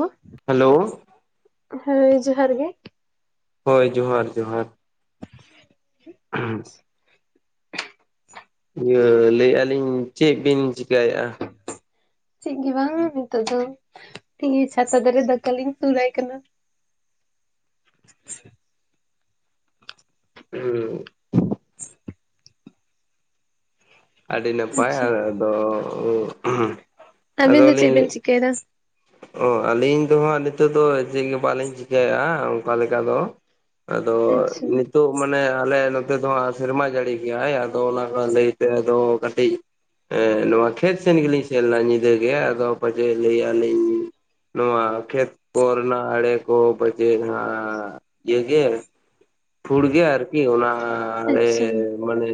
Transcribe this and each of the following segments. Hello ᱼᱼ hello ᱼᱼ ᱦᱳᱭ ᱡᱚᱦᱟᱨ ᱜᱮ ᱾ ᱦᱳᱭ ᱡᱚᱦᱟᱨ ᱡᱚᱦᱟᱨ ᱾ [unintelligible] ᱤᱭᱟᱹ ᱞᱟᱹᱭᱮᱫᱼᱟ ᱞᱤᱧ ᱪᱮᱜ ᱵᱤᱱ ᱪᱤᱠᱟᱭᱮᱜᱼᱟ? ᱪᱤᱜ ᱜᱮ ᱵᱟᱝ ᱱᱤᱛᱚᱜ ᱫᱚ ᱛᱤ ᱪᱷᱟᱛᱟ ᱫᱟᱨᱮ ᱫᱟᱠᱟᱞᱤᱧ ᱛᱩᱞᱟᱭ ᱠᱟᱱᱟ ᱾ [inaudible] [inaudible] ᱟᱹᱰᱤ ᱱᱟᱯᱟᱭ ᱟᱪᱪᱷᱟ ᱟᱫᱚ ᱟᱵᱤᱱ ᱫᱚ ᱪᱤᱜ ᱟᱫᱚᱞᱤᱧ ᱵᱮᱱ ᱪᱤᱠᱟᱹᱭ ᱫᱟ? ᱚ ᱟᱹᱞᱤᱧ ᱫᱚ ᱦᱟᱸᱜ ᱱᱤᱛᱚᱜ ᱫᱚ ᱪᱤᱜ ᱜᱤ ᱵᱟᱹᱞᱤᱧ ᱪᱤᱠᱟᱭᱮᱜ-ᱟ ᱚᱱᱠᱟ ᱞᱮᱠᱟ ᱫᱚ ᱾ ᱟᱫᱚ ᱟᱪᱪᱷᱟ ᱱᱤᱛ ᱱᱤᱛᱚᱜ ᱢᱟᱱᱮ ᱟᱞᱮ ᱱᱚᱛᱮ ᱫᱚ ᱦᱟᱸᱜ ᱥᱮᱨᱢᱟ ᱡᱟᱹᱲᱤ ᱜᱮᱭᱟᱭ ᱟᱫᱚ ᱚᱱᱟ ᱞᱟᱹᱭᱛᱮ ᱫᱚ ᱠᱟᱹᱴᱤᱡ ᱦᱮᱸ ᱱᱚᱣᱟ ᱠᱷᱮᱛ ᱥᱮᱱ ᱜᱮᱞᱤᱧ ᱥᱮᱱ ᱞᱮᱱᱟ ᱧᱤᱫᱟᱹ ᱜᱮ ᱟᱫᱚ ᱯᱟᱪᱮᱫ ᱞᱟᱹᱭ ᱟᱞᱤᱧ ᱾ ᱱᱚᱣᱟ ᱠᱷᱮᱛ ᱠᱚ ᱨᱮᱱᱟᱜ ᱟᱲᱮ ᱠᱚ ᱯᱟᱪᱮ ᱦᱟᱸᱜᱻ ᱤᱭᱟᱹ ᱜᱮ ᱼᱼ ᱯᱷᱩᱲ ᱜᱮ ᱟᱨᱠᱤ ᱚᱱᱟ ᱟᱪᱪᱷᱟ ᱢᱟᱱᱮ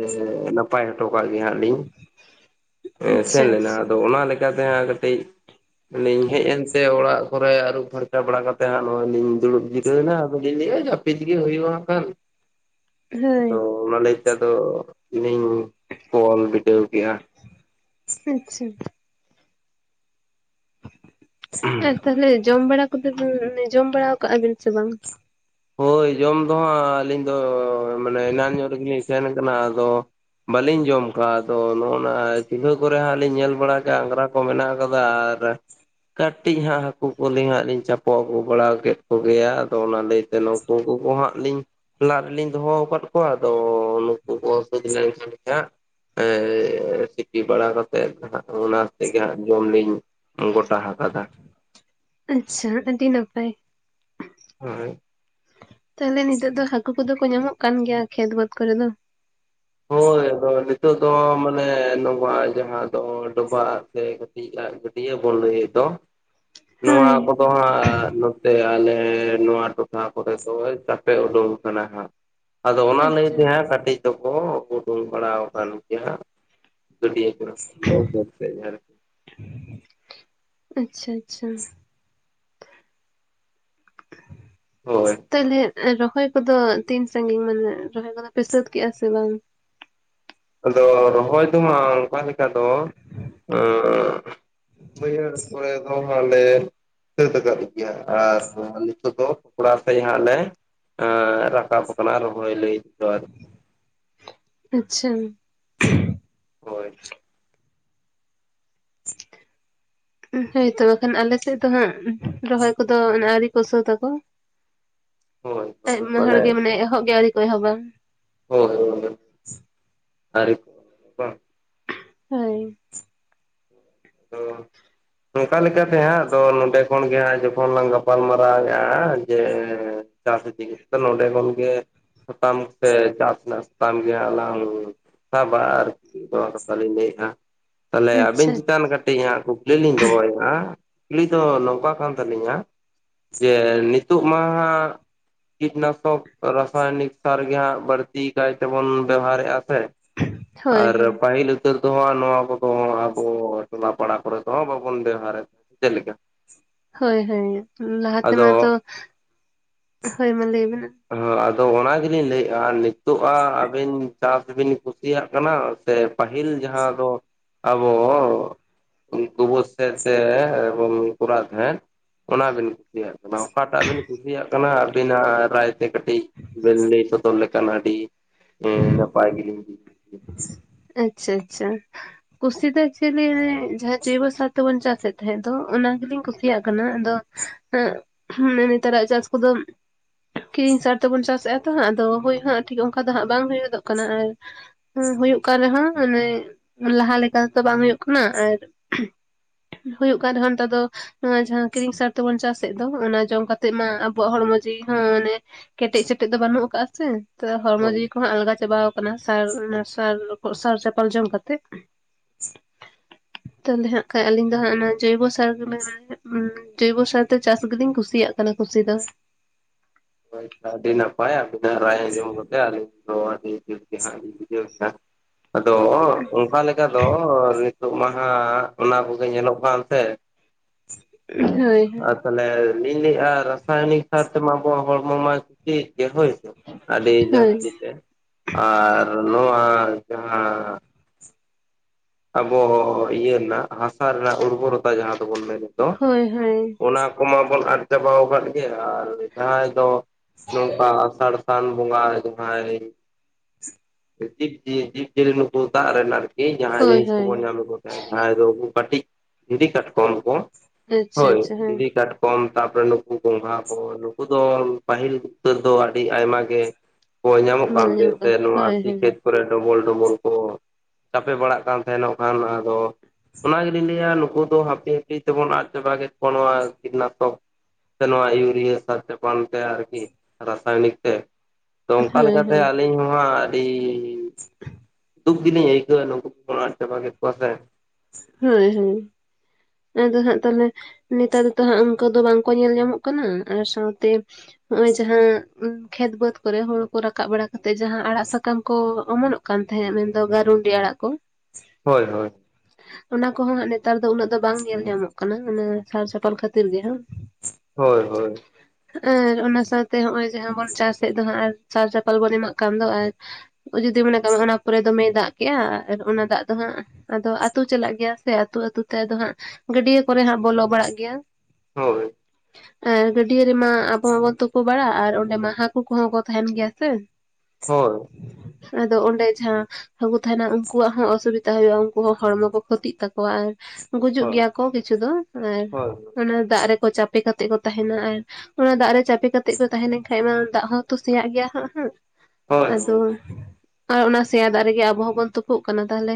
ᱱᱟᱯᱟᱭ ᱦᱚᱴᱚ ᱠᱟᱜ ᱜᱮᱦᱟᱸ ᱾ ᱟᱞᱤᱧ ᱟᱪᱪᱷᱟ ᱥᱮᱱ ᱞᱮᱱᱟ ᱟᱪᱪᱷᱟ ᱟᱫᱚ ᱚᱱᱟ ᱞᱮᱠᱟ ᱛᱮ ᱦᱟᱸᱜ ᱠᱟᱹᱴᱤᱡ ᱟᱹᱞᱤᱧ ᱦᱮᱡ ᱮᱱᱛᱮ ᱚᱲᱟᱜ ᱠᱚᱨᱮ ᱟᱹᱨᱩᱵ ᱯᱷᱟᱨᱪᱟ ᱵᱟᱲᱟ ᱠᱟᱛᱮ ᱦᱟᱸᱜ ᱱᱚᱜᱼᱚᱭ ᱞᱤᱧ ᱫᱩᱲᱩᱵ ᱡᱤᱨᱟᱹᱣ ᱮᱱᱟ ᱟᱫᱚ ᱞᱤᱧ ᱞᱟᱹᱭᱮᱫᱼᱟ [unintelligible] ᱱᱤᱛ ᱜᱤ ᱦᱩᱭᱩᱜᱼᱟ ᱠᱷᱟᱱ ᱦᱳᱭ ᱟᱫᱚ [unintelligible] ᱞᱤᱧ ᱚᱞ ᱵᱤᱰᱟᱹᱣ ᱠᱮᱜᱼᱟ ᱾ ᱟᱪᱪᱷᱟ ᱾ ᱟᱨ ᱛᱟᱦᱚᱞᱮ ᱡᱚᱢ ᱵᱟᱲᱟ ᱠᱚᱫᱚ ᱵᱤᱱ ᱡᱚᱢ ᱵᱟᱲᱟ ᱠᱟᱜᱼᱟ ᱵᱤᱱ ᱥᱮ ᱵᱟᱝ? ᱦᱳᱭ ᱡᱚᱢ ᱫᱚ ᱦᱟᱸᱜ ᱟᱹᱞᱤᱧ ᱫᱚ ᱢᱟᱱᱮ ᱮᱱᱟᱱ ᱧᱚᱜ ᱨᱤᱜᱤᱞᱤᱧ ᱥᱮᱱ ᱠᱟᱱᱟ ᱟᱫᱚ ᱵᱟᱹᱞᱤᱧ ᱡᱚᱢ ᱠᱟᱜᱼᱟ᱾ ᱟᱫᱚ ᱱᱚᱜᱚᱱᱟ ᱪᱩᱞᱦᱟᱹ ᱠᱚᱨᱮ ᱦᱟᱸᱜ ᱞᱤᱧ ᱧᱮᱞ ᱵᱟᱲᱟ ᱠᱟᱜ-ᱟ ᱟᱝᱜᱽᱨᱟ ᱠᱚ ᱢᱮᱱᱟᱜ ᱟᱠᱟᱫᱟ ᱟᱨ ᱠᱟᱹᱴᱤᱡ ᱦᱟᱸᱜ ᱦᱟᱹᱠᱩ ᱠᱚᱞᱤᱧ ᱦᱟᱸᱜ ᱞᱤᱧ ᱪᱟᱯᱚ ᱟᱹᱜᱩ ᱵᱟᱲᱟ ᱠᱮᱫ ᱠᱚ ᱜᱮᱭᱟ ᱟᱫᱚ ᱚᱱᱟᱞᱤ ᱥᱮ ᱱᱩᱠᱩ ᱠᱩ ᱠᱚᱦᱟᱸᱜ ᱞᱤᱧ ᱞᱟᱜᱞᱤᱧ ᱫᱚᱦᱚ ᱟᱠᱟᱫ ᱠᱚᱣᱟ ᱟᱫᱚ ᱱᱩᱠᱩ ᱠᱚ ᱚᱥᱩᱫ ᱞᱮᱱᱠᱷᱟᱱ ᱦᱟᱸᱜ ᱮ ᱥᱤᱯᱤ ᱵᱟᱲᱟ ᱠᱟᱛᱮᱜ ᱫᱚ ᱱᱟᱦᱟᱜ ᱚᱱᱟ ᱥᱮᱛᱮᱜ ᱜᱮ ᱦᱟᱸᱜ ᱡᱚᱢ ᱞᱤᱧ ᱜᱚᱴᱟ ᱦᱟᱠᱟᱫᱟ ᱾ ᱟᱪᱪᱷᱟ ᱟᱹᱰᱤ ᱱᱟᱯᱟᱭ ᱾ ᱦᱳᱭ ᱛᱟᱦᱚᱞᱮ ᱱᱤᱛᱚᱜ ᱫᱚ ᱦᱟᱠᱩ ᱠᱚᱫᱚ ᱠᱚ ᱧᱟᱢᱚᱜ ᱠᱟᱱ ᱜᱮᱭᱟ, ᱠᱷᱮᱛ ᱵᱟᱹᱫᱽ ᱠᱚᱨᱮ ᱫᱚ? ᱦᱳᱭ ᱦᱳ ᱱᱤᱛᱳᱜ ᱫᱚ ᱢᱟᱱᱮ ᱱᱚᱣᱟ ᱡᱟᱦᱟᱸ ᱫᱚ ᱰᱚᱵᱷᱟᱜ ᱥᱮ ᱰᱤ ᱟ ᱜᱟᱹᱰᱤᱭᱟᱹ ᱵᱩᱱ ᱞᱟᱹᱭᱮᱫ ᱫᱚ ᱱᱚᱣᱟ ᱦᱳᱭ ᱠᱚ ᱛᱚ ᱦᱟᱸᱜ ᱱᱚᱛᱮ ᱟᱞᱮ ᱱᱚᱣᱟ ᱴᱚᱴᱷᱟ ᱠᱚᱨᱮ ᱫᱚ ᱪᱟᱯᱮ ᱩᱰᱳᱝ ᱠᱟᱱᱟ ᱦᱟᱸᱜ ᱾ ᱟᱫᱚ ᱚᱱᱟ ᱞᱟᱹᱭ ᱟᱪᱪᱷᱟ ᱛᱮᱦᱟᱸᱜ ᱠᱟᱹᱴᱤᱡ ᱫᱚᱠᱚ ᱳᱰᱳᱝ ᱵᱟᱲᱟᱣ ᱠᱟᱱ ᱜᱮᱭᱟ ᱾ ᱜᱟᱹᱰᱤᱭᱟᱹ ᱠᱚᱨᱮ [unintelligible] ᱟᱪᱪᱷᱟ ᱟᱪᱪᱷᱟ ᱦᱳᱭ ᱛᱟᱦᱞᱮ ᱨᱚᱦᱚᱭ ᱠᱚᱫᱚ ᱛᱤᱱ ᱥᱟᱺᱜᱤᱧ ᱢᱟᱱᱮ ᱨᱚᱦᱚᱭ ᱠᱚᱫᱚ ᱯᱮ ᱥᱟᱹᱛ ᱠᱮᱫᱟᱜᱼᱟ ᱥᱮ ᱵᱟᱝ? ᱟᱫᱚ ᱨᱚᱦᱚᱭ ᱫᱚᱢᱟ ᱚᱝᱠᱟ ᱞᱮᱠᱟ ᱫᱚ ᱵᱟᱹᱭᱦᱟᱹᱲ ᱠᱚᱨᱮ ᱫᱚ ᱦᱟᱸᱜ ᱞᱮ ᱥᱟᱹᱛ ᱟᱠᱟᱫ ᱜᱮᱭᱟ ᱟᱨ ᱱᱤᱛᱚᱜ ᱫᱚ ᱠᱚᱲᱟ ᱥᱮᱡ ᱦᱟᱸᱜ ᱞᱮ ᱼᱼ ᱟ ᱨᱟᱠᱟᱯ ᱠᱟᱱᱟ ᱨᱚᱦᱚᱭ ᱞᱟᱹᱭ ᱛᱮᱫᱚ ᱟᱨᱠᱤ ᱟᱪᱪᱷᱟ ᱦᱳᱭ [inaudible] ᱦᱳᱭᱛᱚ ᱵᱟᱠᱷᱟᱱ ᱟᱞᱮᱥᱮᱜ ᱫᱚ ᱦᱟᱸᱜ ᱨᱚᱦᱚᱭ ᱠᱚᱫᱚ ᱟᱣᱨᱤ ᱠᱚ ᱥᱟᱹᱛ ᱟᱠᱚ ᱾ ᱦᱳᱭ ᱦᱳᱭ ᱟᱭᱢᱟ ᱦᱚᱲ ᱜᱮ ᱢᱟᱱᱮ ᱮᱦᱚᱵ ᱜᱮ ᱟᱹᱣᱨᱤ ᱠᱚ ᱮᱦᱚᱵᱟ ᱾ ᱦᱚᱭ-ᱦᱚᱭ [unintelligible] ᱟᱨᱤ ᱦᱚᱭ ᱚ ᱱᱚᱝᱠᱟ ᱞᱮᱠᱟᱛᱮ ᱦᱟᱸᱜ ᱟᱫᱚ ᱱᱚᱸᱰᱮ ᱠᱷᱚᱱ ᱜᱮ ᱦᱟᱸᱜ ᱡᱚᱠᱷᱚᱱ ᱞᱟᱝ ᱜᱟᱯᱟᱞᱢᱟᱨᱟᱣᱮᱜᱼᱟ ᱡᱮ ᱪᱟᱥ ᱤᱫᱤ ᱠᱟᱛᱮ ᱱᱚᱰᱮ ᱠᱷᱚᱱ ᱜᱮ ᱥᱟᱛᱟᱢ ᱥᱮ ᱪᱟᱥ ᱨᱮᱱᱟᱜ ᱥᱟᱛᱟᱢ ᱜᱮ ᱟᱱᱟᱝ ᱵᱟ ᱵᱟ ᱟᱨᱠᱤ ᱱᱟᱣᱟ ᱠᱟᱛᱷᱟ ᱞᱮᱭᱮᱜᱼᱟ ᱢᱟᱱᱮ ᱟᱵᱮᱱ ᱟᱪᱪᱷᱟ ᱠᱟᱹᱴᱤᱡᱟᱸᱜ ᱠᱩᱠᱞᱤ ᱞᱤᱧ ᱫᱚᱦᱚᱮᱜᱼᱟ ᱠᱩᱠᱞᱤ ᱫᱚ ᱱᱚᱝᱠᱟ ᱠᱟᱱ ᱛᱟᱹᱞᱤᱧᱟ ᱡᱮ ᱱᱤᱛᱩᱜ ᱢᱟ ᱦᱟᱜ ᱠᱤᱴᱱᱟᱥᱚᱠ ᱨᱟᱥᱟᱭᱚᱱᱤᱠ ᱥᱟᱨ ᱜᱮ ᱦᱟᱜ ᱵᱟᱹᱲᱛᱤ ᱠᱟᱭᱛᱮᱵᱚᱱ ᱵᱮᱣᱦᱟᱨᱮᱜᱼᱟ ᱥᱮ ᱦᱳᱭ ᱟᱨ ᱦᱳᱭ ᱯᱟᱹᱦᱤᱞ ᱩᱛᱟᱹᱨ ᱫᱚᱦᱟᱸᱜ ᱱᱚᱣᱟ ᱠᱚᱫᱚ ᱟᱵᱚ ᱴᱚᱞᱟ ᱯᱟᱲᱟ ᱠᱚᱨᱮ ᱛᱮᱦᱚ ᱵᱟᱵᱚᱱ ᱵᱮᱣᱦᱟᱨᱮᱫ ᱪᱮᱫ ᱞᱮᱠᱟ? ᱦᱳᱭ ᱦᱳᱭ ᱞᱟᱦᱟ ᱟᱫᱚ ᱛᱮᱢᱟ ᱛᱚ, ᱦᱳᱭ ᱢᱟ ᱞᱟᱹᱭ ᱵᱮᱱ᱾ ᱦᱚᱸ ᱟᱫᱚ ᱚᱱᱟ ᱜᱮᱞᱤᱧ ᱞᱟᱹᱭᱮᱜᱼᱟ ᱱᱤᱛᱚᱜᱼᱟ ᱟᱹᱵᱤᱱ ᱪᱟᱥ ᱵᱤᱱ ᱠᱩᱥᱤᱭᱟᱜ ᱠᱟᱱᱟ ᱥᱮ ᱯᱟᱹᱦᱤᱞ ᱡᱟᱦᱟᱸ ᱫᱚ ᱟᱵᱚ ᱚ ᱜᱳᱵᱚᱨ ᱥᱮᱨ ᱛᱮ ᱦᱳᱢ ᱠᱚᱨᱟᱣ ᱛᱟᱦᱮᱸᱫ ᱚᱱᱟᱵᱤᱱ ᱠᱩᱥᱤᱭᱟᱜ ᱠᱟᱱᱟ ᱚᱠᱟᱴᱟᱜ ᱵᱤᱱ ᱠᱩᱥᱤᱭᱟᱜ ᱠᱟᱱᱟ ᱟᱵᱤᱱᱟᱜ ᱨᱟᱭ ᱛᱮ ᱠᱟᱹᱴᱤᱡ ᱵᱤᱱ ᱞᱟᱹᱭ ᱥᱚᱫᱚᱨ ᱞᱮᱠ ᱠᱟᱱ ᱟᱹᱰᱤ ᱱᱟᱯᱟᱭ ᱜᱤᱞᱤᱧ ᱟᱪᱪᱷᱟ ᱟᱪᱪᱷᱟ ᱠᱩᱥᱤ ᱫᱚ ᱮᱪᱚᱞᱤ ᱡᱟᱦᱟᱸ ᱡᱳᱭᱵᱚ ᱥᱟᱨ ᱛᱮᱵᱚᱱ ᱪᱟᱥᱮᱫ ᱛ ᱛᱟᱦᱮᱸᱫ ᱫᱚ ᱚᱱᱟ ᱜᱮᱞᱤᱧ ᱠᱩᱥᱤᱭᱟᱜ ᱠᱟᱱᱟ ᱟᱫᱚ [inaudible] ᱱᱮᱛᱟᱨᱟᱜ ᱪᱟᱥ ᱠᱚᱫᱚ ᱠᱤᱨᱤᱧ ᱥᱟᱨ ᱛᱮᱵᱚᱱ ᱪᱟᱥᱮᱜᱼᱟ ᱛᱚ ᱟᱫᱚ ᱦᱳᱭ ᱦᱟᱜ ᱴᱷᱤᱠ ᱚᱱᱠᱟ ᱫᱚ ᱦᱟᱸᱜ ᱵᱟᱝ ᱦᱩᱭ ᱜᱚᱫᱚᱜ ᱠᱟᱱᱟ ᱟᱨ ᱦᱩᱸ ᱦᱳᱭᱳᱜ ᱠᱟᱱ ᱨᱮᱦᱚᱸ ᱢᱟᱱᱮ ᱞᱟᱦᱟ ᱞᱮᱠᱟᱛᱚ ᱵᱟᱝ ᱦᱳᱭᱳᱜ ᱠᱟᱱᱟ ᱟᱨ ᱦᱳᱭᱳᱜ ᱠᱟᱱ ᱨᱮᱦᱚᱸ ᱱᱮᱛᱟᱨ ᱫᱚ ᱱᱚᱣᱟ ᱡᱟᱦᱟᱸ ᱠᱤᱨᱤᱧ ᱥᱟᱨ ᱛᱮᱵᱚᱱ ᱪᱟᱥᱮᱜ ᱫᱚ ᱚᱱᱟ ᱡᱚᱢ ᱠᱟᱛᱮᱜ ᱢᱟ ᱟᱵᱚᱣᱟᱜ ᱦᱚᱲᱢᱚ ᱡᱤᱣᱤ ᱦᱚᱸ ᱢᱟᱱᱮ ᱠᱮᱴᱮᱡ ᱥᱮᱴᱮᱡ ᱫᱚ ᱵᱟᱹᱱᱩᱜ ᱠᱟᱜᱼᱟ ᱥᱮ, ᱦᱚᱲᱢᱚ ᱦᱳᱭ ᱡᱤᱣᱤ ᱠᱚᱦᱚᱸ ᱟᱞᱜᱟ ᱪᱟᱵᱟᱣ ᱠᱟᱱᱟ ᱥᱟᱨ ᱚᱱᱟ ᱥᱟᱨ ᱥᱟᱨ ᱪᱟᱯᱟᱞ ᱡᱚᱢ ᱠᱟᱛᱮᱜ᱾ ᱛᱟᱦᱞᱮ ᱦᱟᱸᱜ ᱠᱷᱟᱡ ᱟᱞᱤᱧ ᱫᱚ ᱦᱟᱸᱜ ᱚᱱᱟ [unintelligible] ᱡᱳᱭᱵᱚ ᱥᱟᱨ ᱛᱮ ᱪᱟᱥ ᱜᱮᱞᱤᱧ ᱠᱩᱥᱤᱭᱟᱜ ᱠᱟᱱᱟ ᱠᱩᱥᱤ ᱫᱚ ᱦᱳᱭ ᱟᱹᱰᱤ ᱱᱟᱯᱟᱭ ᱟᱵᱤᱱᱟᱜ ᱨᱟᱭ ᱟᱡᱚᱢ ᱠᱟᱛᱮ ᱟᱞᱤᱧ ᱟᱫᱚ ᱟᱹᱰᱤ ᱡᱩᱛ ᱜᱮᱦᱟᱞᱤᱧ ᱵᱩᱡᱟᱹᱣ ᱠᱮᱫᱟ ᱟᱫᱚ ᱚᱝᱠᱟ ᱞᱮᱠᱟ ᱫᱚ ᱱᱤᱛᱚᱜ ᱢᱟᱦᱟᱜ ᱚᱱᱟ ᱠᱚᱜᱮ ᱧᱮᱞᱚᱜ ᱠᱟᱱ ᱛᱮ ᱦᱟᱹᱭ ᱦᱟᱹᱭ ᱛᱟᱦᱚᱞᱮ ᱞᱤᱧ ᱞᱟᱹᱭᱮᱜᱼᱟ ᱨᱟᱥᱟᱭᱚᱱᱤᱠ ᱥᱟᱨ ᱛᱮᱢᱟ ᱟᱵᱚᱣᱟᱜ ᱦᱚᱲᱢᱚ ᱢᱟ ᱠᱷᱚᱛᱤ ᱜᱮ ᱦᱳᱭ ᱥᱮ ᱟᱹᱰᱤ ᱦᱳᱭ ᱡᱟᱹᱥᱛᱤ ᱛᱮ ᱟᱨ ᱱᱚᱣᱟ ᱡᱟᱦᱟᱸ ᱟᱵᱚ ᱤᱭᱟᱹ ᱱᱟᱜ ᱦᱟᱥᱟ ᱨᱮᱱᱟᱜ ᱩᱨᱵᱚᱨᱚᱛᱟ ᱡᱟᱦᱟᱸ ᱫᱚᱵᱚᱱ ᱢᱮᱱᱮᱫ ᱫᱚ ᱦᱳᱭ ᱦᱳᱭ ᱚᱱᱟ ᱠᱚᱢᱟᱵᱚᱱ ᱟᱫ ᱪᱟᱵᱟ ᱟᱠᱟᱫ ᱜᱮ, ᱟᱨ ᱡᱟᱦᱟᱸᱭ ᱫᱚ ᱱᱚᱝᱠᱟ ᱟᱥᱟᱲ ᱥᱟᱱ ᱵᱚᱸᱜᱟ ᱡᱟᱦᱟᱸᱭ ᱡᱤᱵᱽ ᱡᱤᱭᱟᱹ ᱡᱤᱵᱽᱡᱤᱭᱟᱹᱞᱤ ᱱᱩᱠᱩ ᱫᱟᱜ ᱨᱮᱱ ᱟᱨᱠᱤ᱾ ᱦᱳᱭ ᱡᱤᱱᱤᱥ ᱦᱳᱭ ᱠᱚᱵᱚᱱ ᱧᱟᱢ ᱮᱫ ᱠᱚ ᱛᱟᱦᱮᱸ ᱡᱟᱦᱟᱸᱭ ᱫᱚ ᱩᱱᱠᱩ ᱠᱟᱹᱴᱤᱡ ᱫᱷᱤᱨᱤ ᱠᱟᱴᱠᱚᱢ ᱠᱚ ᱟᱪᱪᱷᱟ ᱦᱳᱭ ᱟᱪᱪᱷᱟ ᱦᱮᱸ ᱫᱷᱤᱨᱤ ᱠᱟᱴ ᱠᱚᱢ ᱛᱟᱯᱚᱨᱮ ᱱᱩᱠᱩ ᱜᱚᱸᱜᱷᱟ ᱠᱚ ᱱᱩᱠᱩ ᱫᱚ ᱯᱟᱹᱦᱤᱞ ᱩᱛᱟᱹᱨ ᱫᱚ ᱟᱹᱰᱤ ᱟᱭᱢᱟ ᱜᱮ ᱦᱳᱭ ᱧᱟᱢᱚᱜ ᱧᱮᱞ ᱠᱟᱱ ᱛᱮ ᱥᱮ ᱱᱚᱣᱟ ᱦᱳᱭ ᱥᱤ ᱦᱳᱭ ᱠᱷᱮᱛ ᱠᱚᱨᱮ ᱰᱚᱵᱚᱞ ᱰᱚᱵᱚᱞ ᱠᱚ ᱪᱟᱯᱮ ᱵᱟᱲᱟᱜ ᱠᱟᱱ ᱛᱟᱦᱮᱱᱚᱜ ᱠᱷᱟᱱ ᱟᱫᱚ ᱚᱱᱟ ᱜᱮᱞᱤᱧ ᱞᱟᱹᱭᱟ ᱱᱩᱠᱩ ᱫᱚ ᱦᱟᱯᱤ ᱦᱟᱯᱤ ᱛᱮᱵᱚᱱ ᱟᱫ ᱪᱟᱵᱟ ᱠᱮᱫ ᱠᱚᱣᱟ ᱱᱚᱣᱟ᱾ [unintelligible] ᱥᱮ ᱱᱚᱣᱟ ᱤᱭᱩᱨᱤᱭᱟᱹ ᱥᱟᱨ ᱪᱟᱯᱟᱱ ᱛᱮ, ᱟᱨᱠᱤ, ᱨᱟᱥᱟᱭᱚᱱᱤᱠ ᱛᱮ᱾ ᱛᱚ ᱚᱱᱠᱟ ᱦᱳᱭ ᱦᱳᱭ ᱞᱮᱠᱟᱛᱮ ᱟᱹᱞᱤᱧ ᱦᱚᱸ ᱦᱟᱸᱜ ᱟᱹᱰᱤ, ᱫᱩᱠ ᱜᱮᱞᱤᱧ ᱟᱹᱭᱠᱟᱹᱣᱟ ᱱᱩᱝᱠᱩ ᱠᱚ ᱟᱫ ᱪᱟᱵᱟ ᱠᱮᱫ ᱠᱚᱣᱟ ᱥᱮ ᱦᱳᱭ ᱦᱳᱭ ᱾ ᱟᱫᱚ ᱦᱟᱸᱜ ᱛᱟᱦᱚᱞᱮ ᱱᱮᱛᱟᱨ ᱫᱚ ᱛᱚ ᱦᱟᱸᱜ ᱚᱱᱠᱟ ᱫᱚ ᱵᱟᱝ ᱠᱚ ᱧᱮᱞ ᱧᱟᱢᱚᱜ ᱠᱟᱱᱟ ᱟᱨ ᱥᱟᱶᱛᱮ ᱱᱚᱜᱼᱚᱭ ᱡᱟᱦᱟᱸ ᱩ ᱠᱷᱮᱛ ᱵᱟᱹᱫᱽ ᱠᱚᱨᱮ ᱦᱩᱲᱩ ᱠᱚ ᱨᱟᱠᱟᱵ ᱵᱟᱲᱟ ᱠᱟᱛᱮᱜ ᱡᱟᱦᱟᱸ ᱟᱲᱟᱜ ᱥᱟᱠᱟᱢ ᱠᱚ ᱚᱢᱚᱱᱚᱜ ᱠᱟᱱ ᱛᱟᱦᱮᱸᱫ ᱢᱮᱱᱫᱚ ᱜᱟᱨᱩᱱᱰᱤ ᱟᱲᱟᱜ ᱠᱚ ᱦᱳᱭ ᱦᱳᱭ ᱾ ᱚᱱᱟ ᱠᱚᱦᱚᱸ ᱱᱮᱛᱟᱨ ᱫᱚ ᱩᱱᱟᱹᱜ ᱫᱚ ᱵᱟᱝ ᱧᱮᱞ ᱧᱟᱢᱚᱜ ᱠᱟᱱᱟ ᱥᱟᱨ ᱪᱟᱯᱟᱞ ᱠᱷᱟᱹᱛᱤᱨ ᱜᱮ ᱦᱳᱭ ᱦᱳᱭ ᱾ ᱟᱨ ᱚᱱᱟ ᱥᱟᱶᱛᱮ ᱱᱚᱜᱼᱚᱭ ᱡᱟᱦᱟᱸ ᱵᱚᱱ ᱪᱟᱥᱮᱫ ᱫᱚ ᱦᱟᱸᱜ ᱟᱨ ᱪᱟᱞ- ᱪᱟᱯᱟᱞ ᱵᱚᱱ ᱮᱢᱟᱜ ᱠᱟᱱ ᱫᱚ ᱟᱨ ᱡᱩᱫᱤ ᱢᱚᱱᱮ ᱠᱟᱜ ᱢᱮ ᱚᱱᱟ ᱯᱚᱨᱮ ᱫᱚᱢᱮ ᱫᱟᱜ ᱠᱮᱜᱼᱟ ᱟᱨ ᱚᱱᱟ ᱫᱟᱜ ᱫᱚ ᱦᱟᱸᱜ ᱟᱫᱚ ᱟᱹᱛᱩ ᱪᱟᱞᱟᱜ ᱜᱮᱭᱟ ᱥᱮ ᱟᱹᱛᱩ ᱟᱹᱛᱩ ᱛᱮ ᱟᱫᱚ ᱦᱟᱸᱜ ᱜᱟᱹᱰᱭᱟᱹ ᱠᱚᱨᱮ ᱦᱟᱸᱜ ᱵᱚᱞᱚᱜ ᱵᱟᱲᱟᱜ ᱜᱮᱭᱟ ᱾ ᱦᱳᱭ ᱟᱨ ᱜᱟᱹᱰᱭᱟᱹ ᱨᱮᱢᱟ ᱟᱵᱚ ᱦᱚᱸᱵᱚᱱ ᱛᱩᱯᱳ ᱵᱟᱲᱟᱜ ᱟᱨ ᱚᱸᱰᱮ ᱢᱟ ᱦᱟᱹᱠᱩ ᱠᱚᱦᱚᱸ ᱠᱚ ᱛᱟᱦᱮᱱ ᱜᱮᱭᱟ ᱥᱮ ᱦᱳᱭ ᱟᱫᱚ ᱚᱸᱰᱮ ᱡᱟᱦᱟᱸ ᱦᱟᱹᱠᱩ ᱛᱟᱦᱮᱱᱟ ᱩᱱᱠᱩᱣᱟᱜ ᱦᱚᱸ ᱚᱥᱩᱵᱤᱫᱟ ᱦᱩᱭᱩᱜᱼᱟ᱾ ᱩᱱᱠᱩ ᱦᱚᱲᱢᱚ ᱠᱚ ᱠᱷᱚᱛᱤᱜ ᱛᱟᱠᱚᱣᱟ ᱟᱨ ᱜᱩᱡᱩᱜ ᱦᱳᱭ ᱜᱮᱭᱟ ᱠᱚ ᱠᱤᱪᱷᱩ ᱫᱚ ᱟᱨ ᱦᱳᱭ ᱚᱱᱟ ᱫᱟᱜ ᱨᱮᱠᱚ ᱪᱟᱯᱮ ᱠᱟᱛᱮ ᱠᱚ ᱛᱟᱦᱮᱱᱟ ᱟᱨ ᱚᱱᱟ ᱫᱟᱜ ᱨᱮ ᱪᱟᱯᱮ ᱠᱟᱛᱮᱜ ᱠᱚ ᱛᱟᱦᱮᱸ ᱞᱮᱱᱠᱷᱟᱱᱡ ᱫᱟᱜ ᱦᱚᱸᱛᱚ ᱥᱮᱭᱟᱜ ᱜᱮᱭᱟ ᱦᱟᱜ ᱥᱮ ᱦᱳᱭ ᱾ ᱟᱫᱚ ᱟᱨ ᱚᱱᱟ ᱥᱮᱭᱟ ᱫᱟᱜ ᱨᱮᱜᱮ ᱟᱵᱚ ᱦᱚᱸᱵᱚᱱ ᱛᱩᱯᱩᱜ ᱠᱟᱱᱟ ᱛᱟᱦᱚᱞᱮ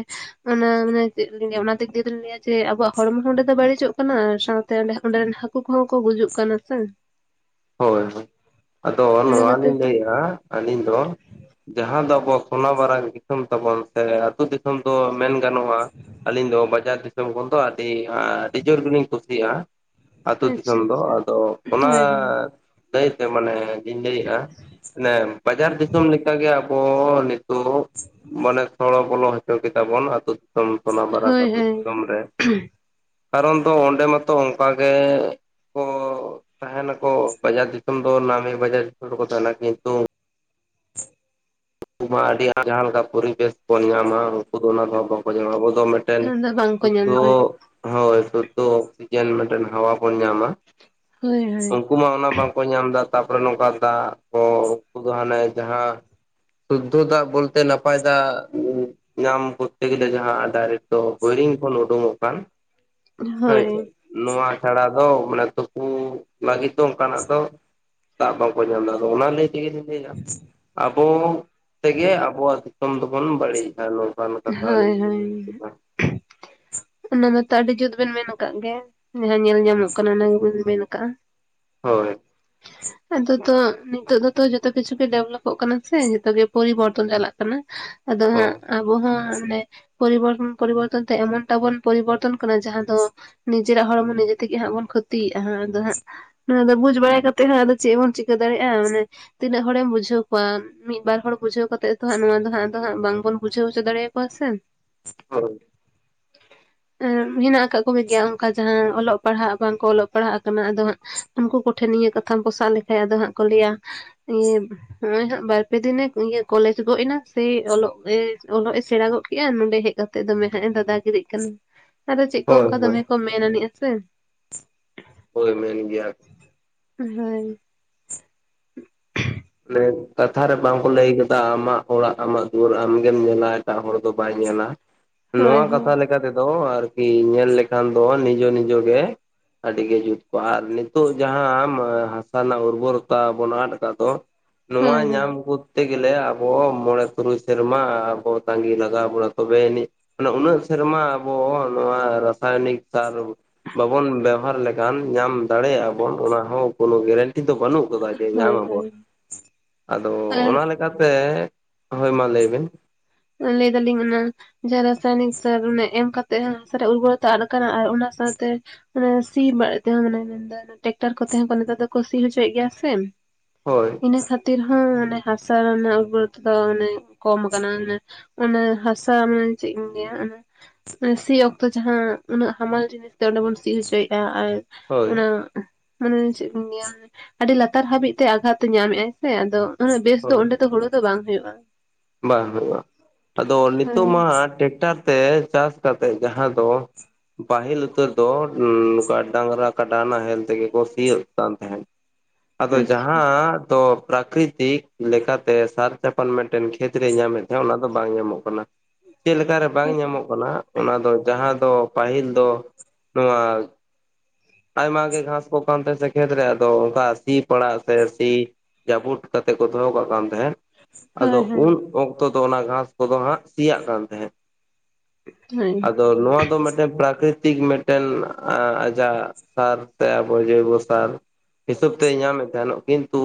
ᱚᱱᱟ ᱢᱟᱱᱮ ᱪᱮᱫ ᱞᱤᱧ ᱞᱟᱹᱭ ᱚᱱᱟᱛᱮ ᱫᱤᱧ ᱞᱟᱹᱭᱟ ᱡᱮ ᱟᱵᱚᱣᱟᱜ ᱦᱚᱲᱢᱚ ᱦᱚᱸ ᱚᱸᱰᱮ ᱫᱚ ᱵᱟᱹᱲᱤᱡᱚᱜ ᱠᱟᱱᱟ ᱥᱟᱶᱛᱮ ᱚᱰᱮᱸ ᱦᱟ. ᱠᱩ ᱦᱟᱹᱠᱩ ᱠᱚᱦᱚᱸ ᱠᱚ ᱜᱩᱡᱩᱜ ᱠᱟᱱᱟ ᱥᱮ ᱦᱳᱭ ᱦᱳᱭ ᱟᱫᱚ ᱚᱱᱟ ᱱᱚᱣᱟ ᱠᱷᱟᱹᱛᱤᱨ ᱞᱤᱧ ᱛᱮ ᱞᱟᱹᱭᱮᱫᱟ ᱟᱹᱞᱤᱧ ᱫᱚ ᱡᱟᱦᱟᱸ ᱫᱚ ᱟᱵᱚ ᱥᱚᱱᱟᱵᱟᱨᱟᱝ ᱫᱤᱥᱚᱢ ᱛᱟᱵᱚᱱ ᱥᱮ ᱟᱹᱛᱩ- ᱫᱤᱥᱚᱢ ᱫᱤᱥᱚᱢ ᱫᱚ ᱢᱮᱱ ᱜᱟᱱᱚᱜᱼᱟ, ᱟᱹᱞᱤᱧ ᱫᱚ ᱵᱟᱡᱟᱨ ᱫᱤᱥᱚᱢ ᱠᱷᱚᱱ ᱫᱚ ᱟᱹᱰᱤ ᱟᱹᱰᱤ ᱡᱚᱨ ᱜᱮᱞᱤᱧ ᱠᱩᱥᱤᱭᱟᱜᱼᱟ᱾ ᱟᱹᱛᱩ ᱟᱪᱪᱷᱟ -ᱫᱤᱥᱚᱢ ᱫᱚ᱾ ᱟᱪᱪᱷᱟ ᱟᱫᱚ ᱚᱱᱟ ᱦᱳᱭ ᱦᱳᱭ ᱞᱟᱹᱭ ᱛᱮ ᱢᱟᱱᱮ ᱤᱧ ᱞᱟᱹᱭᱮᱫᱼᱟ, ᱢᱮ ᱵᱟᱡᱟᱨ ᱫᱤᱥᱚᱢ ᱞᱮᱠᱟᱜᱮ ᱟᱵᱚ ᱛᱚ ᱢᱟᱱᱮ ᱥᱚᱲᱚ ᱵᱚᱞᱚ ᱦᱚᱪᱚ ᱠᱮᱫᱛᱟ ᱵᱚᱱ ᱟᱹᱛᱩ- ᱫᱤᱥᱚᱢ ᱫᱤᱥᱚᱢ ᱥᱚᱱᱟᱜ ᱵᱟᱨᱟᱝ ᱦᱳᱭ ᱟᱹᱛᱩ- ᱦᱳᱭ ᱫᱤᱥᱚᱢ ᱨᱮ᱾ ᱠᱟᱨᱚᱱ ᱫᱚ ᱚᱸᱰᱮ ᱢᱟᱛᱚ ᱚᱱᱠᱟ ᱜᱮ ᱠᱚ ᱛᱟᱦᱮᱱᱟ ᱠᱚ ᱾ ᱵᱟᱡᱟᱨ ᱫᱤᱥᱚᱢ ᱫᱚ ᱱᱟᱢᱮ ᱵᱟᱡᱟᱨ ᱫᱤᱥᱚᱢ ᱨᱮᱠᱚ ᱛᱟᱦᱮᱱᱟ, ᱠᱤᱱᱛᱩ ᱩᱱᱠᱩ ᱢᱟ ᱟᱹᱰᱤ ᱟᱸᱴ ᱡᱟᱦᱟᱸ ᱞᱮᱠᱟ ᱯᱚᱨᱤᱵᱮᱥ ᱵᱚᱱ ᱧᱟᱢᱟ᱾ ᱩᱱᱠᱩ ᱫᱚ ᱚᱱᱟ ᱫᱚ ᱵᱟᱠᱚ ᱧᱟᱢᱟ ᱟᱵᱚ ᱫᱚ ᱢᱤᱫ ᱢᱤᱫᱴᱮᱱ ᱟᱫᱚ ᱵᱟᱝᱠᱚ ᱧᱟᱢᱟ ᱦᱳᱭ [unintelligible] ᱦᱳᱭ ᱛᱚ ᱚᱠᱥᱤᱡᱮᱱ ᱢᱤᱫᱴᱮᱱ ᱦᱟᱣᱟ ᱵᱚᱱ ᱧᱟᱢᱟ᱾ ᱦᱳᱭ ᱦᱳᱭ ᱩᱱᱠᱩ ᱢᱟ ᱚᱱᱟ ᱵᱟᱝ ᱠᱚ ᱧᱟᱢ ᱮᱫᱟ᱾ ᱛᱟᱨᱯᱚᱨᱮ ᱱᱚᱝᱠᱟ ᱫᱟᱜ ᱠᱚ ᱩᱱᱠᱩ ᱫᱚ ᱦᱟᱱᱮ ᱡᱟᱦᱟᱸ ᱥᱩᱫᱽᱫᱷᱚ ᱫᱟᱜ ᱵᱚᱞᱛᱮ ᱱᱟᱯᱟᱭ ᱫᱟᱜ ᱧᱟᱢ ᱠᱚᱨᱛᱮ ᱜᱮᱞᱮ, ᱡᱟᱦᱟᱸ ᱟᱫᱟᱨ ᱛᱚ ᱦᱳᱭᱨᱤᱝ ᱠᱷᱚᱱ ᱳᱰᱩᱝᱚᱜ ᱠᱟᱱ ᱦᱳᱭᱪᱮ᱾ ᱦᱳᱭ ᱱᱚᱣᱟ ᱪᱷᱟᱲᱟ ᱫᱚ ᱢᱟᱱᱮ ᱛᱩᱯᱩ ᱞᱟᱹᱜᱤᱫ ᱫᱚ ᱚᱱᱠᱟᱱᱼᱟᱜ ᱫᱚ ᱫᱟᱜ ᱵᱟᱝᱠᱚ ᱧᱟᱢ ᱫᱟ ᱟᱫᱚ ᱚᱱᱟ ᱞᱟᱹᱭ ᱛᱮᱜᱮᱞᱤᱧ ᱞᱟᱹᱭᱟ ᱼᱼ ᱟᱵᱚ ᱛᱮ ᱜᱮ ᱟᱵᱚᱣᱟᱜ ᱫᱤᱥᱚᱢ ᱫᱚᱵᱚᱱ ᱵᱟᱹᱲᱤᱡᱼᱟ ᱱᱚᱝᱠᱟᱱ ᱠᱟᱛᱷᱟ ᱟᱹᱞᱤᱧ ᱦᱳᱭ ᱞᱤᱧ ᱦᱳᱭ ᱢᱮᱱ ᱦᱚ [unintelligible] ᱚᱱᱟ ᱢᱟᱛᱚ ᱟᱹᱰᱤ ᱡᱩᱛ ᱵᱤᱱ ᱢᱮᱱ ᱟᱠᱟᱫ ᱜᱮᱭᱟ ᱡᱟᱦᱟᱸ ᱧᱮᱞ ᱧᱟᱢᱚᱜ ᱠᱟᱱᱟ ᱚᱱᱟ ᱜᱮᱵᱤᱱ ᱢᱮᱱ ᱟᱠᱟᱫᱼᱟ ᱾ ᱦᱚᱭ ᱟᱫᱚ ᱛᱚ ᱱᱤᱛᱚᱜ ᱫᱚ ᱛᱚ ᱡᱚᱛᱚ ᱠᱤᱪᱷᱩ ᱜᱮ ᱰᱮᱵᱷᱞᱚᱯᱚᱜ ᱠᱟᱱᱟ ᱥᱮ ᱡᱚᱛᱚᱜ ᱜᱮ ᱯᱚᱨᱤᱵᱚᱨᱛᱚᱱ ᱪᱟᱞᱟᱜ ᱠᱟᱱᱟ᱾ ᱟᱫᱚ ᱦᱟᱜ ᱦᱳᱭ ᱟᱵᱚ ᱦᱚᱸ ᱢᱟᱱᱮ ᱯᱚᱨᱤᱵᱚᱨᱛᱚᱱ ᱯᱚᱨᱤᱵᱚᱨᱛᱚᱱ ᱛᱮ ᱮᱢᱚᱱ ᱴᱟ ᱵᱚᱱ ᱯᱚᱨᱤᱵᱚᱨᱛᱚᱱ ᱠᱟᱱᱟ ᱡᱟᱦᱟᱸ ᱫᱚ ᱱᱤᱡᱮᱨᱟᱜ ᱦᱚᱲᱢᱚ ᱱᱤᱡᱮ ᱛᱮᱜᱮ ᱦᱟᱸᱜ ᱵᱚᱱ ᱠᱷᱚᱛᱤᱭᱮᱫᱼᱟ ᱟᱫᱚ ᱦᱟᱸᱜ ᱱᱚᱣᱟ ᱫᱚ ᱵᱩᱡ ᱵᱟᱲᱟᱟᱭ ᱠᱟᱛᱮᱜ ᱦᱚᱸ ᱟᱫᱚ ᱪᱮᱫ ᱵᱚᱱ ᱪᱤᱠᱟᱹ ᱫᱟᱲᱮᱭᱟᱜᱼᱟ ᱢᱟᱱᱮ ᱛᱤᱱᱟᱹᱜ ᱦᱚᱲᱮᱢ ᱵᱩᱡᱷᱟᱹᱣ ᱠᱚᱣᱟ ᱾ ᱢᱤᱫ ᱵᱟᱨ ᱦᱚᱲ ᱵᱩᱡᱷᱟᱹᱣ ᱠᱟᱛᱮᱜ ᱛᱚ ᱦᱟᱸᱜ ᱱᱚᱣᱟ ᱫᱚ ᱦᱟᱸᱜ ᱟᱫᱚ ᱦᱟᱸᱜ ᱵᱟᱝ ᱵᱚᱱ ᱵᱩᱡᱷᱟᱹᱣ ᱦᱚᱪᱚ ᱫᱟᱲᱮᱭᱟᱠᱚᱣᱟ ᱥᱮᱱ, ᱦᱚᱭ [inaudible] ᱟᱸ ᱦᱮᱱᱟᱜ ᱟᱠᱟᱜ ᱠᱚ ᱜᱮᱭᱟ ᱚᱱᱠᱟ ᱡᱟᱦᱟᱸ ᱚᱞᱚᱜ ᱯᱟᱲᱦᱟᱜ ᱵᱟᱝᱠᱚ ᱚᱞᱚᱜ ᱯᱟᱲᱦᱟᱜ ᱟᱠᱟᱱᱟ ᱟᱫᱚ ᱦᱟᱸᱜ ᱩᱱᱠᱩ ᱠᱚᱴᱷᱮᱱ ᱱᱤᱭᱟᱹ ᱠᱟᱛᱷᱟᱢ ᱥᱟᱵ ᱞᱮᱠᱷᱟᱡ ᱟᱫᱚ ᱦᱟᱸᱜ ᱠᱚ ᱞᱟᱹᱭᱟ ᱤᱭᱟᱹ ᱱᱚᱜᱚᱭ ᱦᱟᱸᱜ ᱵᱟᱨ ᱯᱮ ᱫᱤᱱ ᱮ ᱤᱭᱟᱹ ᱠᱚᱞᱮᱡᱽ ᱜᱚᱫ ᱮᱱᱟ ᱥᱮ ᱚᱞᱚᱜ ᱮ ᱚᱞᱚᱜ ᱮ ᱥᱮᱬᱟ ᱜᱚᱫ ᱠᱮᱫᱮᱜᱼᱟ ᱱᱚᱰᱮ ᱦᱮᱡ ᱠᱟᱛᱮ ᱛᱮᱫ ᱫᱚᱢᱮ ᱦᱟᱸᱜ ᱮ ᱫᱟᱫᱟ ᱜᱤᱨᱤᱜ ᱠᱟᱱᱟ, ᱟᱫᱚ ᱪᱮᱫ ᱠᱚ ᱦᱳᱭ ᱚᱱᱠᱟ ᱦᱳᱭ ᱫᱚᱢᱮ ᱠᱚ ᱢᱮᱱ ᱟᱱᱤᱡᱼᱟ ᱥᱮ ᱾ ᱦᱚᱭ ᱢᱮᱱ ᱜᱮᱭᱟ ᱠᱚ ᱦᱚᱭ ᱞᱟᱹᱭ ᱠᱟᱛᱷᱟ ᱨᱮ ᱵᱟᱝ ᱠᱚ ᱞᱟᱹᱭ ᱟᱠᱟᱫᱟ ᱟᱢᱟᱜ ᱚᱲᱟᱜ, ᱟᱢᱟᱜ ᱫᱩᱣᱟᱹᱨ ᱟᱢ ᱜᱮᱢ ᱧᱮᱞᱟ ᱮᱴᱟᱜ ᱦᱚᱲ ᱫᱚ ᱵᱟᱭ ᱧᱮᱞᱟ, ᱦᱳᱭ ᱱᱚᱣᱟ ᱦᱳᱭ ᱠᱟᱛᱷᱟ ᱞᱮᱠᱟ ᱛᱮᱫᱚ ᱟᱨ ᱠᱤ ᱧᱮᱞ ᱞᱮᱠᱷᱟᱱ ᱫᱚ ᱱᱤᱡᱚ ᱱᱤᱡᱚᱜ ᱜᱮ ᱟᱹᱰᱤ ᱜᱮ ᱡᱩᱛ ᱠᱚᱜᱼᱟ ᱟᱨ ᱱᱤᱛᱚᱜ ᱡᱟᱦᱟᱸ ᱦᱟᱥᱟ ᱨᱮᱱᱟᱜ ᱩᱨᱵᱚᱨᱚᱛᱟ ᱵᱚᱱ ᱟᱫ ᱟᱠᱟᱫ ᱫᱚᱸ ᱱᱚᱣᱟ ᱦᱳᱭ ᱧᱟᱢ ᱵᱷᱩᱨ ᱛᱮ ᱜᱮᱞᱮ ᱟᱵᱚ ᱢᱚᱬᱮ-ᱛᱩᱨᱩᱭ ᱥᱮᱨᱢᱟ ᱟᱵᱚ ᱛᱟᱸᱜᱤ ᱞᱟᱜᱟᱣ ᱵᱚᱱᱟ ᱛᱚᱵᱮ ᱟᱱᱤᱡ ᱢᱟᱱᱮ ᱩᱱᱟᱹᱜ ᱥᱮᱨᱢᱟ ᱟᱵᱚ ᱱᱚᱣᱟ ᱨᱟᱹᱥ ᱨᱟᱥᱟᱭᱚᱱᱤᱠ ᱥᱟᱨ ᱵᱟᱵᱚᱱ ᱵᱮᱵᱟᱨ ᱞᱮᱠᱷᱟᱱ ᱧᱟᱢ ᱫᱟᱲᱮᱭᱟᱜᱼᱟ ᱵᱚᱱ ᱚᱱᱟ ᱦᱚᱸ ᱠᱚᱱᱚ ᱜᱮᱨᱮᱱᱴ ᱴᱤ ᱫᱚ ᱵᱟᱹᱱᱩᱜ ᱡᱮ ᱧᱟᱢ ᱦᱳᱭ ᱟᱩᱱᱵ ᱾ ᱦᱳᱭ ᱟᱫᱚ ᱟᱨ ᱚᱱᱟ ᱞᱮᱠᱟ ᱛᱮ ᱦᱚᱭ ᱢᱟ ᱞᱟᱹᱭ ᱵᱤᱱ ᱞᱟᱹᱭ ᱮᱫᱟ ᱞᱤᱧ ᱚᱱᱟ ᱡᱟᱦᱟᱸ ᱨᱟᱥᱟᱭᱱᱤᱠ ᱥᱟᱨ ᱚᱱᱟ ᱮᱢ ᱠᱟᱛᱮᱜ ᱦᱟᱥᱟᱨᱮ ᱩᱨᱜᱚᱨᱚᱛᱟ ᱟᱫ ᱟᱠᱟᱱᱟ ᱟᱨ ᱚᱱᱟ ᱥᱟᱶᱛᱮ ᱢᱟᱱᱮ ᱥᱤ ᱵᱟᱲᱟᱜ ᱛᱮᱦᱚᱸ ᱢᱟᱱᱮ ᱢᱮᱱᱫᱟ ᱴᱮᱠᱴᱟᱨ ᱠᱚᱛᱮ ᱦᱚᱸ ᱱᱮᱛᱟᱨ ᱫᱚᱠᱚ ᱥᱤ ᱦᱚᱪᱚᱭᱼᱮᱫ ᱜᱮᱭᱟ ᱥᱮ ᱦᱚᱭ ᱤᱱᱟᱹ ᱠᱷᱟᱹᱛᱤᱨ ᱦᱚᱸ ᱚᱱᱮ ᱦᱟᱥᱟ ᱨᱮᱱᱟᱜ ᱜᱩᱨᱵᱚᱨᱛᱟ ᱫᱚ ᱚᱱᱮ ᱠᱚᱢ ᱟᱠᱟᱱᱟ ᱾ ᱚᱱᱟ ᱦᱟᱥᱟ ᱢᱟᱱᱮ ᱪᱮᱫ ᱤᱧ ᱞᱟᱹᱭᱟ ᱾ ᱥᱤ ᱚᱠᱛᱚ ᱡᱟᱦᱟᱸ ᱩᱱᱟᱹᱜ ᱦᱟᱢᱟᱞ ᱡᱤᱱᱤᱥᱛᱮ ᱚᱸᱰᱮ ᱵᱚᱱ ᱥᱤ ᱦᱚᱪᱚᱭᱮᱜᱼᱟ ᱟᱨ ᱦᱳᱭ ᱚᱱᱟ ᱢᱟᱱᱮ ᱪᱮᱫ ᱤᱧ ᱞᱟᱹᱭᱟ, ᱟᱹᱰᱤ ᱞᱟᱛᱟᱨ ᱦᱟᱹᱵᱤᱡ ᱛᱮ ᱟᱜᱷᱟᱛ ᱛᱮ ᱧᱟᱢᱮᱫᱼᱟᱭ ᱥᱮ ᱟᱫᱚ ᱩᱱᱟᱹᱜ ᱵᱮᱥ ᱫᱚ ᱦᱳᱭ ᱚᱸᱰᱮ ᱫᱚ ᱦᱩᱲᱩ ᱛᱚ ᱵᱟᱝ ᱦᱩᱭᱩᱜᱼᱟ ᱾ ᱵᱟᱝ ᱦᱩᱭᱩᱜᱼᱟ, ᱟᱫᱚ ᱦᱳᱭ ᱱᱤᱛᱚᱜ ᱢᱟ ᱴᱮᱠᱴᱟᱨ ᱛᱮ ᱪᱟᱥ ᱠᱟᱛᱮᱫ ᱡᱟᱦᱟᱸ ᱫᱚ ᱯᱟᱦᱤᱞ ᱩᱛᱟᱹᱨ ᱫᱚ ᱱᱚᱝᱠᱟ ᱰᱟᱝᱨᱟ ᱠᱟᱰᱟ ᱱᱟᱦᱮᱞ ᱛᱮᱜᱮ ᱠᱚ ᱥᱤᱭᱚᱜ ᱠᱟᱱ ᱛᱟᱦᱮᱸᱫ ᱾ ᱟᱫᱚ ᱟᱪᱪᱷᱟ ᱡᱟᱦᱟᱸ ᱫᱚ ᱯᱨᱟᱠᱨᱤᱛᱤᱠ ᱞᱮᱠᱟ ᱛᱮ ᱥᱟᱨ ᱪᱟᱯᱟᱱᱢᱮᱱᱴ ᱢᱤᱫᱴᱮᱱ ᱠᱷᱮᱛ ᱨᱮᱭ ᱧᱟᱢᱮᱫ ᱛᱟᱦᱮᱸᱱᱟ ᱚᱱᱟ ᱫᱚ ᱵᱟᱝ ᱧᱟᱢᱚᱜ ᱠᱟᱱᱟ ᱾ ᱪᱮᱫᱞᱠᱟ ᱨᱮ ᱵᱟᱝ ᱧᱟᱢᱚᱜ ᱠᱟᱱᱟ ᱚᱱᱟ ᱫᱚ ᱡᱟᱦᱟᱸ ᱫᱚ ᱯᱟᱹᱦᱤᱞ ᱫᱚ ᱱᱚᱣᱟ ᱟᱭᱢᱟ ᱜᱮ ᱜᱷᱟᱥ ᱠᱚ ᱠᱟᱱᱛᱮ ᱥᱮ ᱠᱷᱮᱛ ᱨᱮ ᱟᱫᱚ ᱚᱱᱠᱟ ᱥᱤ ᱯᱟᱲᱟᱜ ᱥᱮ ᱥᱤ ᱡᱟᱹᱵᱩᱰ ᱠᱟᱛᱮᱜ ᱠᱚ ᱫᱚᱦᱚ ᱠᱟᱜ ᱠᱟᱱ ᱛᱟᱦᱮᱸᱫ ᱟᱫᱚ ᱦᱳᱭ ᱦᱳᱭ ᱩᱱ ᱚᱠᱛᱚ ᱫᱚ ᱚᱱᱟ ᱜᱷᱟᱥ ᱠᱚ ᱫᱚ ᱦᱟᱸᱜ ᱥᱤᱭᱟᱜ ᱠᱟᱱ ᱛᱟᱦᱮᱸᱜ ᱦᱳᱭ ᱟᱫᱚ ᱱᱚᱣᱟ ᱫᱚ ᱢᱤᱫᱴᱮᱱ ᱯᱨᱟᱠᱨᱤᱛᱤᱠ ᱢᱤᱫᱴᱮᱱ ᱟᱸ ᱟᱡᱟᱜ ᱥᱟᱨ ᱥᱮ ᱟᱵᱚ ᱡᱳᱭᱵᱚ ᱥᱟᱨ ᱦᱤᱥᱟᱹᱵ ᱛᱮ ᱧᱟᱢᱮᱫ ᱛᱟᱦᱮᱱᱼᱚᱜ ᱠᱤᱱᱛᱩ,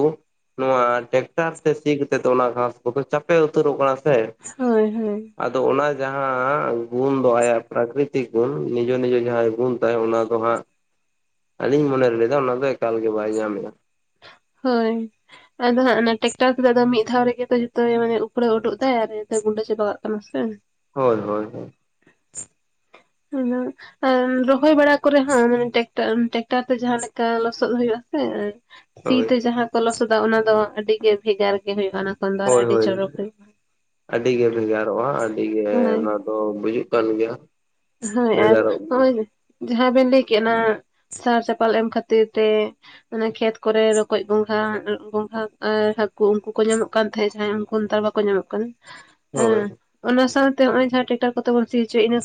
ᱱᱚᱣᱟ ᱴᱮᱠᱴᱟᱨ ᱛᱮ ᱥᱤ ᱠᱟᱛᱮᱜ ᱫᱚ ᱚᱱᱟ ᱜᱷᱟᱥ ᱠᱚᱫᱚ ᱪᱟᱯᱮ ᱩᱛᱟᱹᱨᱚᱜ ᱠᱟᱱᱟ ᱥᱮ ᱦᱳᱭ ᱦᱳᱭ ᱟᱫᱚ ᱚᱱᱟ ᱡᱟᱦᱟᱸ ᱜᱩᱱ ᱫᱚ ᱟᱭᱟᱜ ᱯᱨᱟᱠᱨᱤᱛᱤᱠ ᱜᱩᱱ ᱱᱤᱡᱳ ᱱᱤᱡᱮ ᱡᱟᱦᱟᱸ ᱜᱩᱱ ᱛᱟᱭ ᱚᱱᱟ ᱫᱚ ᱦᱟᱸᱜ ᱟᱹᱞᱤᱧ ᱢᱚᱱᱮ ᱞᱮᱫᱟ ᱚᱱᱟᱫᱚ ᱮᱠᱟᱞ ᱜᱮ ᱵᱟᱭ ᱧᱟᱢᱮᱜᱼᱟ ᱾ ᱦᱳᱭ ᱾ ᱟᱫᱚ ᱦᱟᱸᱜ ᱚᱱᱟ ᱴᱮᱠᱴᱟᱨ ᱛᱮᱫ ᱫᱚ ᱢᱤᱫ ᱫᱷᱟᱣ ᱨᱮᱜᱮ ᱛᱚ ᱡᱚᱛ ᱢᱟᱱᱮ ᱩᱯᱲᱟᱹᱣ ᱩᱰᱩᱜ ᱫᱟᱭ ᱟᱨ ᱜᱩᱸᱰᱟᱹ ᱪᱟᱵᱟ ᱠᱟᱜ ᱠᱟᱱᱟ ᱥᱮ, ᱦᱳᱭ, ᱦᱳᱭ ᱾ [unintelligible] ᱨᱚᱦᱚᱭ ᱵᱟᱲᱟ ᱠᱚᱨᱮ ᱦᱚᱸ ᱴᱨᱮᱠᱴᱚᱨ ᱛᱮ ᱡᱟᱦᱟᱸ ᱞᱮᱠᱟ ᱞᱚᱥᱚᱫ ᱦᱩᱭᱩᱜ ᱟᱥᱮ ᱥᱤ ᱦᱳᱭ ᱛᱮ ᱡᱟᱦᱟᱸ ᱠᱚ ᱞᱚᱥᱚᱫᱟ ᱚᱱᱟ ᱫᱚ ᱟᱹᱰᱤ ᱜᱮ ᱵᱷᱮᱜᱟᱨ ᱜᱮ ᱦᱩᱭᱩᱜᱼᱟ ᱚᱱᱟ ᱠᱷᱚᱱ ᱫᱚ ᱟᱨ ᱦᱳᱭ ᱟᱹᱰᱤ ᱦᱳᱭ ᱪᱚᱨᱚᱠ ᱦᱩᱭᱩᱜᱼᱟ ᱟᱹᱰᱤ ᱜᱮ ᱵᱷᱮᱜᱟᱨᱚᱜᱼᱟ, ᱟᱹᱰᱤ ᱜᱮ ᱦᱳᱭ ᱱᱚᱣᱟ ᱚ ᱵᱩᱡᱩᱜ ᱠᱟᱱ ᱜᱮᱭᱟ ᱾ ᱦᱳᱭ ᱟᱨ ᱱᱚᱜᱼᱚᱭ ᱡᱟᱦᱟᱸ ᱵᱮᱱ ᱞᱟᱹᱭ ᱠᱮᱫᱼᱟ ᱥᱟᱨ ᱪᱟᱯᱟᱞ ᱮᱢ ᱠᱷᱟᱹᱛᱤᱨ ᱛᱮ ᱚᱱᱮ ᱠᱷᱮᱛ ᱠᱚᱨᱮ ᱨᱚᱠᱚᱡ ᱜᱚᱸᱝᱜᱷᱟ, ᱜᱚᱸᱝᱜᱷᱟ ᱟᱨ ᱦᱟᱠᱩ ᱩᱱᱠᱩ ᱠᱚ ᱧᱟᱢᱚᱜ ᱠᱟᱱ ᱛᱟᱦᱮᱸᱫ ᱡᱟᱦᱟᱸᱭ ᱩᱱᱠᱩ ᱱᱮᱛᱟᱨ ᱵᱟ ᱵᱟᱝ ᱠᱚ ᱧᱟᱢᱚᱜ ᱠᱟᱱᱟ ᱾ ᱦᱳᱭ ᱾ ᱚᱱᱟ ᱥᱟᱶᱛᱮ ᱱᱚᱜᱼᱚᱭ ᱡᱟᱦᱟᱸ ᱴᱮᱴᱟᱨ ᱠᱚ ᱛᱮ ᱵᱚᱱ ᱥᱤ ᱦᱚᱪᱚᱭᱟ ᱤᱱᱟᱹ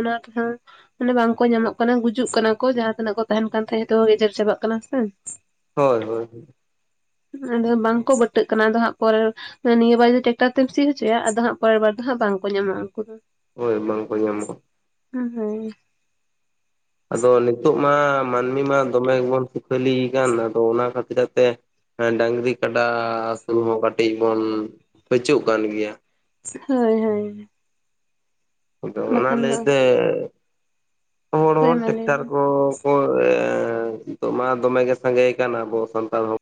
ᱚᱱᱟ ᱛᱮᱦᱚᱸ ᱢᱟᱱᱮ ᱵᱟᱝᱠᱚ ᱧᱟᱢᱚᱜ ᱠᱟᱱᱟ ᱜᱩᱡᱩᱜ ᱠᱟᱱᱟ ᱠᱚ ᱡᱟᱸᱦᱟ ᱛᱤᱱᱟᱹᱜ ᱠᱚ ᱛᱟᱦᱮᱱ ᱠᱟᱱ ᱛᱟᱦᱮᱸᱜ ᱡᱚᱛᱚ ᱠᱚ ᱜᱮᱡᱮᱨ ᱪᱟᱵᱟᱜ ᱠᱟᱱᱟ ᱥᱮ ᱦᱳᱭ, ᱦᱳᱭ ᱾ ᱟᱫᱚ ᱵᱟᱝᱠᱚ ᱵᱟᱹᱴᱟᱹᱜ ᱠᱟᱱᱟ ᱟᱫᱚ ᱦᱟᱸᱜ ᱯᱚᱨᱮ, ᱱᱤᱭᱟᱹ ᱵᱟᱨᱮ ᱡᱩᱫᱤ ᱴᱮᱠᱴᱚᱨ ᱛᱮᱢ ᱥᱤ ᱦᱚᱪᱚᱭᱟ ᱟᱫᱚ ᱦᱟᱸᱜ ᱯᱚᱨᱮᱨ ᱵᱟᱨ ᱫᱚ ᱦᱟᱸᱜ ᱵᱟᱝᱠᱚ ᱧᱟᱢᱟ ᱩᱱᱠᱩ ᱫᱚ ᱦᱳᱭ ᱵᱟᱝ ᱠᱚ ᱧᱟᱢᱚᱜ-ᱟ ᱾ ᱦᱩᱸ ᱦᱮᱸ ᱾ ᱟᱫᱚ ᱱᱤᱛᱚᱜ ᱢᱟ ᱢᱟᱹᱱᱢᱤ ᱢᱟ ᱫᱚᱢᱮ ᱵᱚᱱ ᱥᱩᱠᱷᱟᱹᱞᱤ ᱠᱟᱱ ᱟᱫᱚ ᱚᱱᱟ ᱠᱷᱟᱹᱛᱤᱨ ᱛᱮ ᱰᱟᱹᱝᱨᱤ, ᱠᱟᱰᱟ, ᱟᱥᱩᱞ ᱦᱚᱸ ᱠᱟᱹᱴᱤᱡ ᱵᱚᱱ ᱯᱟᱹᱪᱟᱹᱜ ᱠᱟᱱ ᱜᱮᱭᱟ ᱾ ᱦᱳᱭ, ᱦᱳᱭ ᱾ ᱟᱫᱚ ᱚᱱᱟ ᱞᱟᱹᱭᱛᱮ ᱦᱚᱲ ᱦᱳᱭ ᱦᱚᱲ ᱢᱟ ᱞᱟᱹᱭ ᱴᱮᱠᱴᱟᱨ ᱵᱮᱱ ᱠᱚ ᱠᱚ ᱱᱤᱛᱚᱜ ᱢᱟ ᱫᱚᱢᱮ ᱜᱮ ᱥᱟᱸᱜᱮ ᱠᱟᱱ ᱟᱵᱚ ᱥᱟᱱᱛᱟᱲ ᱦᱚᱯ